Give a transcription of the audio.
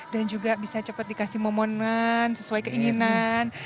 dan juga bisa cepat dikasih momonan sesuai keinginan